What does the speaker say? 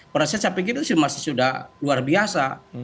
proses saya pikir itu masih sudah luar biasa